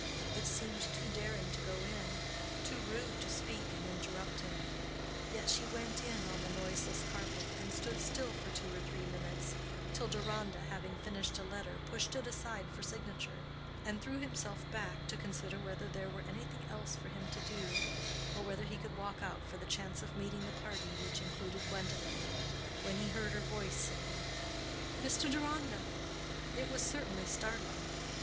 It seemed too daring to go in—too rude to speak and interrupt him; yet she went in on the noiseless carpet, and stood still for two or three minutes, till Deronda, having finished a letter, pushed it aside for signature, and threw himself back to consider whether there were anything else for him to do, or whether he could walk out for the chance of meeting the party which included Gwendolen, when he heard her voice saying, "Mr. Deronda." It was certainly startling.